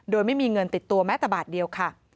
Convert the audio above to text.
โดยไม่มีเงินติดตัวแม้แต่บาทเดียวค่ะ